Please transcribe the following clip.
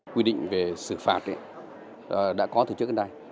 quy định về xử phạt đã có từ trước đến nay